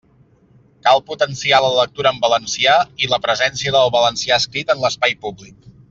Cal potenciar la lectura en valencià i la presència del valencià escrit en l'espai públic.